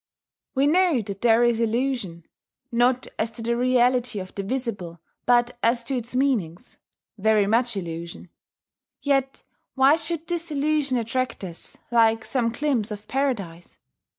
We know that there is illusion, not as to the reality of the visible, but as to its meanings, very much illusion. Yet why should this illusion attract us, like some glimpse of Paradise?